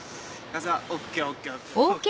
ＯＫＯＫ。